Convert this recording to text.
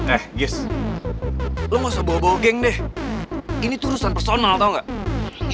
eh gis lo gak usah bawa bawa geng deh ini tuh urusan personal tau gak